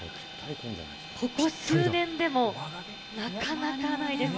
ここ数年でもなかなかないです。